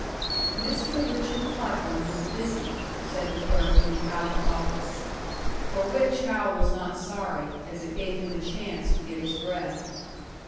Mr. Richard Parker was busy, said the clerk in toe outer office; for which Hal was not sorry, as it gave him a chance to get his breath.